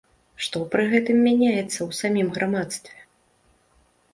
Што пры гэтым мяняецца ў самім грамадстве?